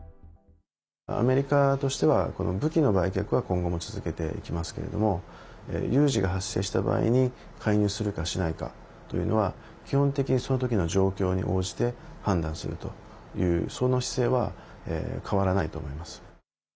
アメリカとしては武器の売却は今後も続けていきますけれども有事が発生した場合に介入するかしないかというのは基本的に、その時の状況に応じて判断するというその姿勢は変わらないと思います。